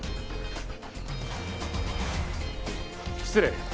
失礼。